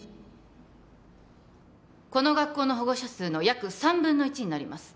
この学校の保護者数の約３分の１になります